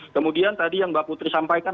kemudian tadi yang mbak putri sampaikan